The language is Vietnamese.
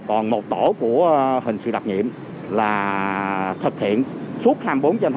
còn một tổ của hình sự đặc nhiệm là thực hiện suốt hai mươi bốn trên bảy